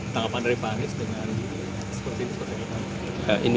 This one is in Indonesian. tanggapan dari pak anies dengan sepertinya seperti ini